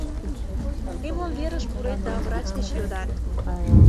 Эмлымверыш пурет да врач деч йодат.